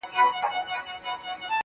گراني شاعري ستا خوږې خبري .